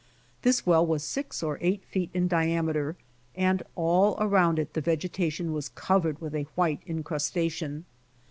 This well was six or eight feet in diameter, and all around it the vegetation was covered with a white incrustation.